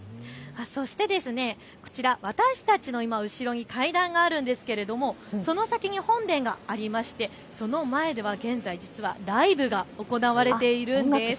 そしてこちら私たちの後ろに階段があるんですがその先に本殿がありましてその前では現在、実はライブが行われているんです。